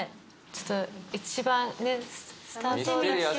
ちょっと一番。